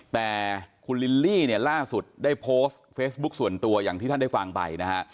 แต่คุณลิลลี่เนี่ยล่าสุดได้โพสต์เฟซบุ๊คส่วนตัวอย่างที่ท่านได้ฟังไปนะฮะ